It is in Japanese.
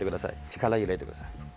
力入れてください。